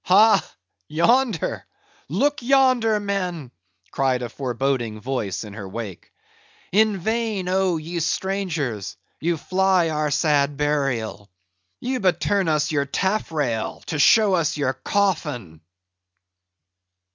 "Ha! yonder! look yonder, men!" cried a foreboding voice in her wake. "In vain, oh, ye strangers, ye fly our sad burial; ye but turn us your taffrail to show us your coffin!"